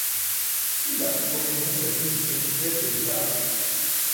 Filat remet donc sa démission au chef de l'État après.